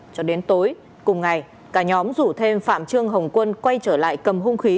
cho đến tối cùng ngày cả nhóm rủ thêm phạm trương hồng quân quay trở lại cầm hung khí